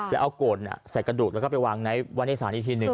แล้วเอาโกรธใส่กระดูกแล้วก็ไปวางไว้ในศาลอีกทีหนึ่ง